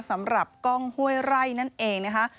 สำหรับกล้องห้วยไร่นั่นเองนะคะ